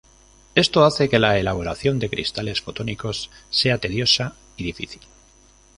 Esto hace que la elaboración de cristales fotónicos sea tediosa y difícil.